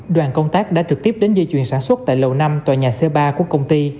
đoàn công tác đã trực tiếp đến dây chuyền sản xuất tại lầu năm tòa nhà c ba của công ty